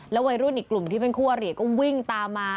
วัยรุ่นอีกกลุ่มที่เป็นคู่อริก็วิ่งตามมา